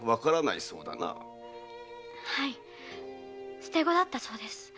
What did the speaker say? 捨て子だったそうです。